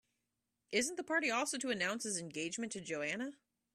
Isn't the party also to announce his engagement to Joanna?